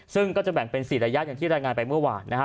ซึ่งก็จะแบ่งเป็น๔ระยะอย่างที่รายงานไปเมื่อวานนะฮะ